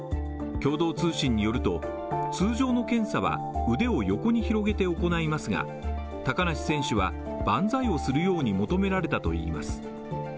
共同通信によると、通常の検査は腕を横に広げて行いますが高梨選手は万歳をするように求められたといいます。